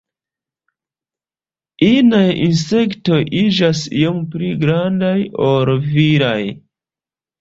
Inaj insektoj iĝas iom pli grandaj ol viraj.